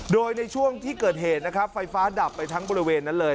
โดยในช่วงที่เกิดเหตุนะครับไฟฟ้าดับไปทั้งบริเวณนั้นเลย